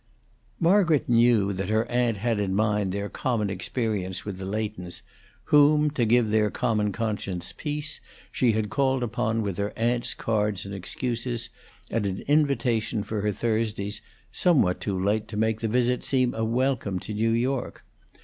Margaret knew that her aunt had in mind their common experience with the Leightons, whom, to give their common conscience peace, she had called upon with her aunt's cards and excuses, and an invitation for her Thursdays, somewhat too late to make the visit seem a welcome to New York.